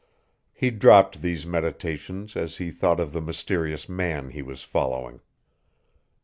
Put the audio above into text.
He dropped these meditations as he thought of the mysterious man he was following.